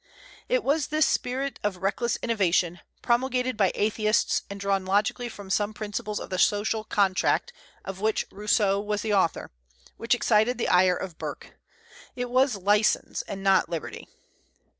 It was this spirit of reckless innovation, promulgated by atheists and drawn logically from some principles of the "Social Contract" of which Rousseau was the author, which excited the ire of Burke. It was license, and not liberty.